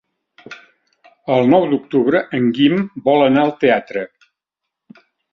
El nou d'octubre en Guim vol anar al teatre.